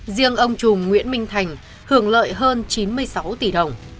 riêng ông chùm nguyễn minh thành hưởng lợi hơn chín mươi sáu tỷ đồng